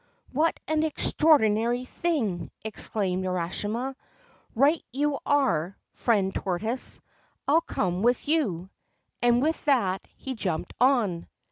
'What an extraordinary thing !' exclaimed Urashima. 'Right you are, friend tortoise, I'll come with you.' And with that he jumped on.